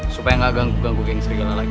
supaya gak ganggu ganggu geng sirgala lagi